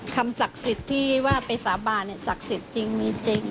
ศักดิ์สิทธิ์ที่ว่าไปสาบานศักดิ์สิทธิ์จริงมีจริง